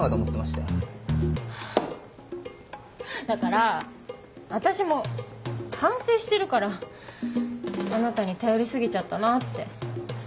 だから私も反省してるからあなたに頼り過ぎちゃったなって。